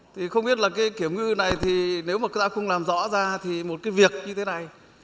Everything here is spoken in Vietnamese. thì không biết là cái kiểm ngư này thì nếu mà người ta không làm rõ ra thì một cái việc như thế này